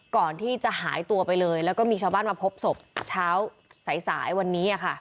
ก่อนที่จะหายตัวไปเลยแล้วก็มีชาวบ้านมาพบศพเช้าสายสายวันนี้